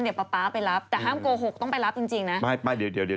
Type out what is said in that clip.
เดี๋ยวนี้ไม่ไปเมื่อก่อนไปนี่